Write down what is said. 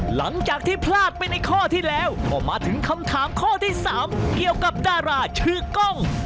หลังจากที่พลาดไปในข้อที่แล้วก็มาถึงคำถามข้อที่๓เกี่ยวกับดาราชื่อกล้อง